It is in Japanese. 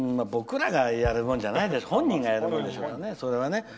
僕らがやるもんじゃない本人がやるんでしょ、それは。